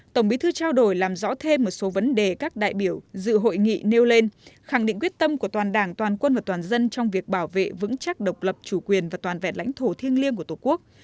tổng bí thư trao đổi làm rõ thêm một số vấn đề các đại biểu dự hội nghị nêu lên khẳng định quyết tâm của toàn đảng toàn quân và toàn dân trong việc bảo vệ vững chắc độc lập chủ quyền và toàn vẹn lãnh thổ thiêng liêng của tổ quốc